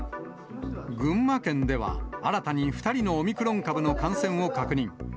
群馬県では、新たに２人のオミクロン株の感染を確認。